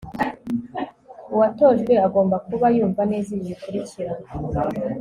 uwatojwe agomba kuba yumva neza ibi bikurikira